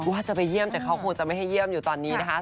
ว่าจะไปเยี่ยมแต่เขาคงจะไม่ให้เยี่ยมอยู่ตอนนี้นะคะ